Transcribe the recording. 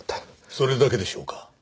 それだけでしょうか？